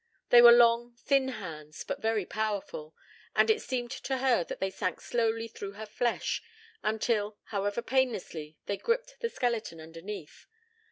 They were long thin hands but very powerful, and it seemed to her that they sank slowly through her flesh, until, however painlessly, they gripped the skeleton underneath.